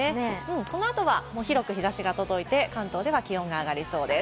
この後は広く日差しが届いて、関東では気温が上がりそうです。